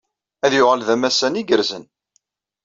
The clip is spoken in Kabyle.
Ad yuɣal d amassan igerrzen.